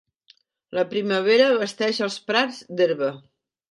La primavera vesteix els prats d'herba.